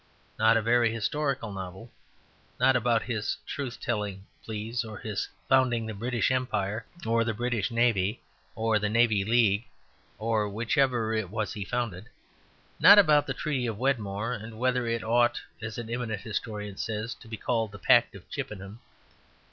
Not a very historical novel. Not about his Truth telling (please) or his founding the British Empire, or the British Navy, or the Navy League, or whichever it was he founded. Not about the Treaty of Wedmore and whether it ought (as an eminent historian says) to be called the Pact of Chippenham.